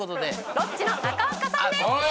ロッチの中岡さんです。